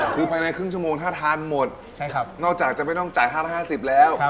คือภายในครึ่งชั่วโมงถ้าทานหมดนอกจากจะไม่ต้องจ่าย๕๕๐แล้ว